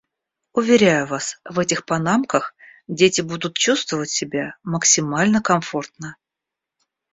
Уверяю вас, в этих панамках дети будут чувствовать себя максимально комфортно.